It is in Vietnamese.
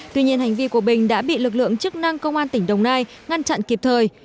tuy nhiên hành vi của bình đã bị lực lượng chức năng công an tỉnh đồng nai ngăn chặn kịp thời